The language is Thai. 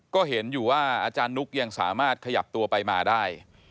ก็เห็นอยู่ว่าอาจารย์นุ๊กยังสามารถขยับตัวไปมาได้